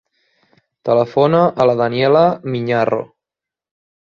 Telefona a la Daniella Miñarro.